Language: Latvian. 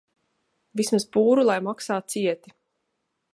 Vismaz pūru lai maksā cieti.